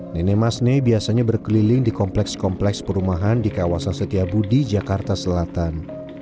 nenek masne biasanya berkeliling di kompleks kompleks perumahan di kawasan setiabudi jakarta selatan